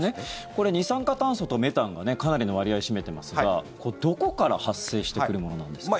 これ、二酸化炭素とメタンがかなりの割合を占めていますがどこから発生してくるものなんですか。